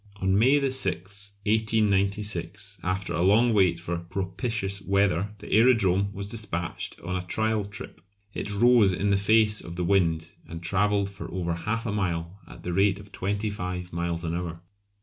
On May 6, 1896, after a long wait for propitious weather, the aerodrome was despatched on a trial trip. It rose in the face of the wind and travelled for over half a mile at the rate of twenty five miles an hour.